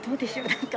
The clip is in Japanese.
何か